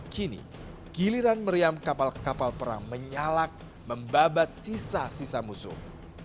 kini giliran meriam kapal kapal perang menyalak membabat sisa sisa musuh